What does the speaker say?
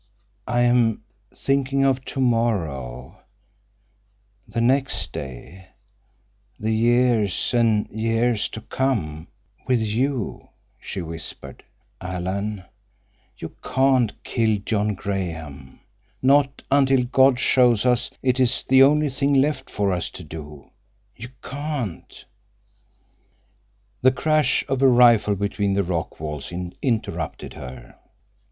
"I am thinking of tomorrow—the next day—the years and years to come, with you," she whispered. "Alan, you can't kill John Graham—not until God shows us it is the only thing left for us to do. You can't—" The crash of a rifle between the rock walls interrupted her.